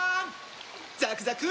ザクザク！